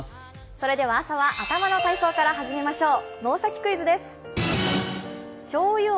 それでは朝は頭の体操から始めましょう。